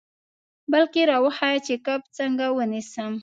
بلکې را وښیه چې کب څنګه ونیسم.